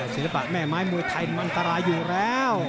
ศิลปะแม่ไม้มวยไทยมันอันตรายอยู่แล้ว